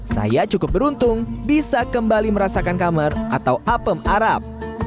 saya cukup beruntung bisa kembali merasakan kamar atau apem arab